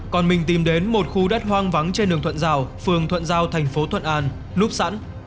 còn mình tìm đến một khu đất hoang vắng trên đường thuận giao phường thuận giao thành phố thuận an núp sẵn